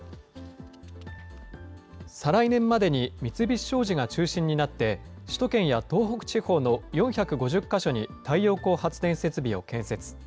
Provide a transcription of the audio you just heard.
再来年までに三菱商事が中心になって、首都圏や東北地方の４５０か所に太陽光発電設備を建設。